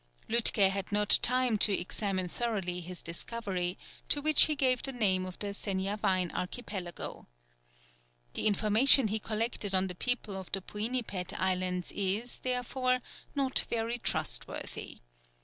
Lütke had not time to examine thoroughly his discovery, to which he gave the name of the Seniavine Archipelago. The information he collected on the people of the Puinipet Islands is, therefore, not very trustworthy.